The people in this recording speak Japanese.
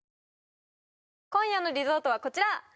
今夜のリゾートはこちら！